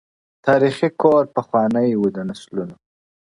تاریخي کور پخوانی وو د نسلونو -